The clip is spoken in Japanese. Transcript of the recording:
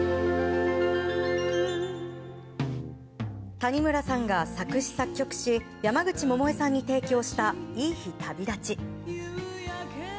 谷村さんが作詞作曲し山口百恵さんに提供した「いい日旅立ち」。